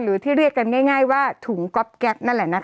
หรือที่เรียกกันง่ายว่าถุงก๊อบแก๊บ